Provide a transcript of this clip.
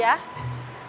lebih baik makan di warung